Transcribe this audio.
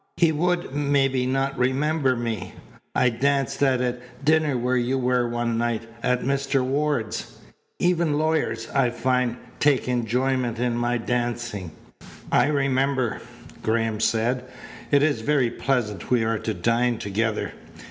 He would, maybe, not remember me. I danced at a dinner where you were one night, at Mr. Ward's. Even lawyers, I find, take enjoyment in my dancing." "I remember," Graham said. "It is very pleasant we are to dine together."